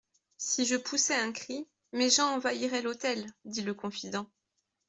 Si je poussais un cri, mes gens envahiraient l'hôtel, dit le confident.